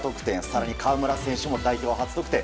更に河村選手も代表初得点。